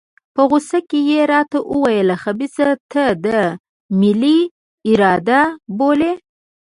په غوسه کې یې راته وویل خبیثه ته دا ملي اراده بولې.